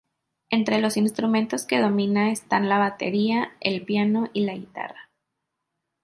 Entre los instrumentos que domina están la batería, el piano y la guitarra.